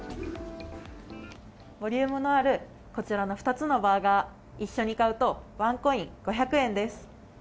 ボリュームのあるこちらの２つのバーガー、一緒に買うと、ワンコイン５００円です。